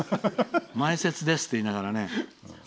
前説ですって言いながらね。